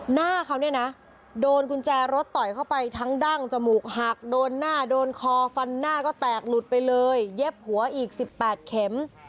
หน้าเขาเนี่ยนะโดนกุญแจรถต่อยเข้าไปทั้งดั้งจมูกหักโดนหน้าโดนคอฟันหน้าก็แตกหลุดไปเลยเย็บหัวอีก๑๘เข็ม